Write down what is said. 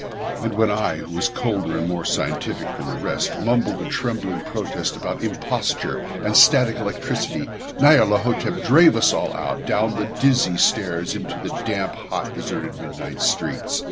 And when I, who was colder and more scientific than the rest, mumbled a trembling protest about "imposture" and "static electricity", Nyarlathotep drave us all out, down the dizzy stairs into the damp, hot, deserted midnight streets.